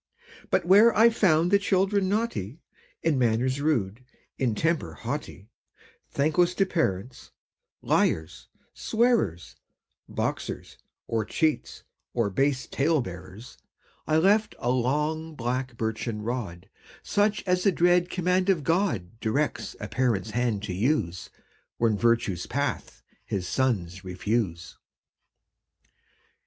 But where I found the children naughty, In manners rude, in temper haughty, Thankless to parents, liars, swearers, Boxers, or cheats, or base tale bearers, I left a long, black, birchen rod, Such as the dread command of God Directs a Parent's hand to use When virtue's path his sons refuse.